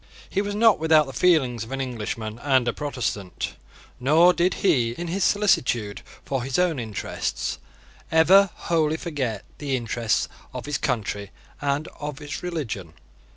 He was not without the feelings of an Englishman and a Protestant; nor did he, in his solicitude for his own interests, ever wholly forget the interests of his country and of his religion.